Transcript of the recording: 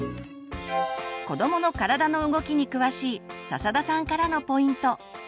子どもの体の動きに詳しい笹田さんからのポイント。